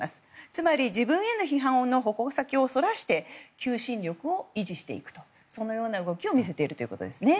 つまり、自分への批判の矛先をそらして求心力を維持していくそのような動きを見せているということですね。